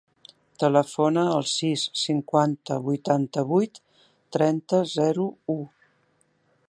Telefona al sis, cinquanta, vuitanta-vuit, trenta, zero, u.